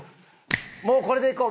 もうこれでいこう。